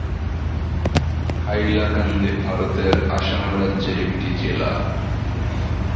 হাইলাকান্দি ভারতের আসাম রাজ্যের একটি জেলা।